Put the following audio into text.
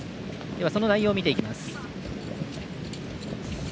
その内容を見ていきます。